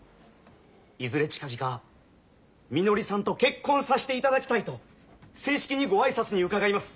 いずれ近々みのりさんと結婚さしていただきたいと正式にご挨拶に伺います。